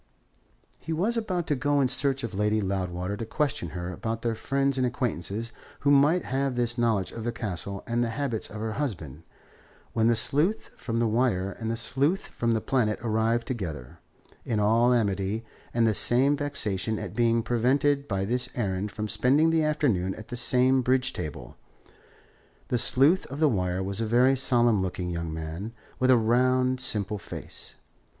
He was about to go in search of Lady Loudwater to question her about their friends and acquaintances who might have this knowledge of the Castle and the habits of her husband, when the sleuth from the Wire and the sleuth from the Planet arrived together, in all amity and the same vexation at being prevented by this errand from spending the afternoon at the same bridge table. The sleuth of the Wire was a very solemn looking young man, with a round, simple face.